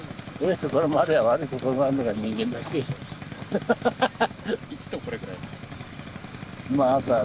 ハハハハ。